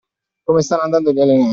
Come stanno andando gli allenamenti?